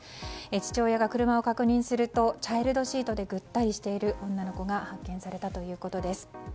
父親が車を確認するとチャイルドシートでぐったりしている女の子が発見されたということです。